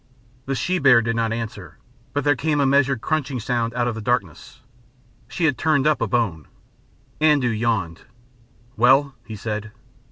The she bear did not answer, but there came a measured crunching sound out of the darkness. She had turned up a bone. Andoo yawned. "Well," he said.